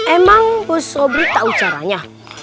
emang sobri tau caranya